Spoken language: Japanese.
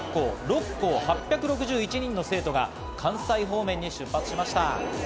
千葉県内の中学校６校、８６１人の生徒が関西方面に出発しました。